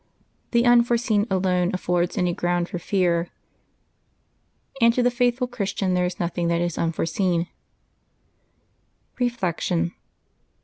The unforeseen alone affords any ground for fear; and to the faithful Christian there is nothing that is un foreseen. LIVES OF TEE SAINTS 11 Reflection.